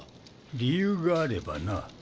理由があればな。